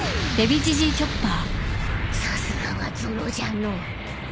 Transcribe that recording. さすがはゾロじゃのう。